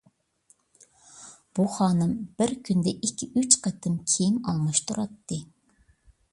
بۇ خانىم بىر كۈندە ئىككى-ئۈچ قېتىم كىيىم ئالماشتۇراتتى.